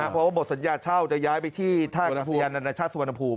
เพราะว่าบทสัญญาเช่าจะย้ายไปที่ท่ากัศยานานาชาติสุวรรณภูมิ